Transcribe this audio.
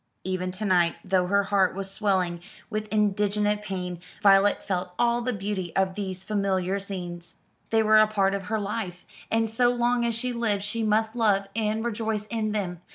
Even to night, though her heart was swelling with indignant pain, Violet felt all the beauty of these familiar scenes. They were a part of her life, and so long as she lived she must love and rejoice in them.